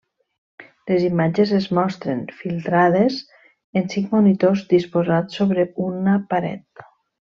Les imatges es mostren, filtrades, en cinc monitors disposats sobre una paret.